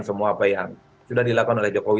semua apa yang sudah dilakukan oleh jokowi